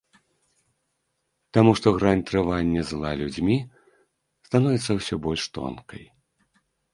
Таму што грань трывання зла людзьмі становіцца ўсё больш тонкай.